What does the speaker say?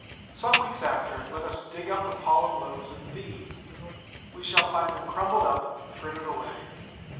Some weeks after, let us dig up the pollen loaves of the Bee. We shall find them crumbled up, frittered away.